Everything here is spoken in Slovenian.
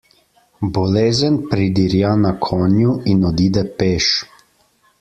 Bolezen pridirja na konju in odide peš.